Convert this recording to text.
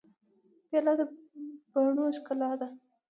پیاله د بڼو ښکلا ده.